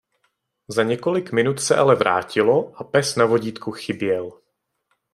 Za několik minut se ale vrátilo a pes na vodítku chyběl.